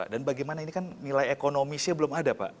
dan bagaimana ini kan nilai ekonomisnya belum ada pak